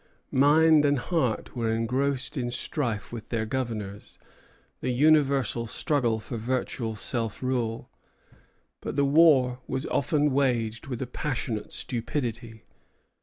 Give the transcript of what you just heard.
Mind and heart were engrossed in strife with their governors: the universal struggle for virtual self rule. But the war was often waged with a passionate stupidity.